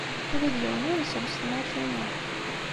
Ula d yiwen ur isell s tmurt-inu.